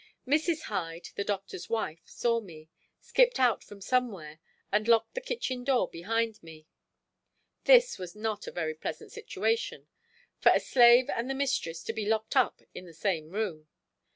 Mrs. Hyde, the Doctor's wife, saw me, skipped out from somewhere and locked the kitchen door behind me. This was not a very pleasant situation, for a slave and the mistress to be locked up in the same room.